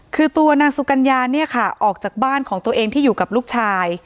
คือตัวนางสุกัญญาเนี่ยค่ะออกจากบ้านของตัวเองที่อยู่กับลูกชาย